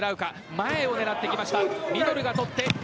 前を狙ってきました。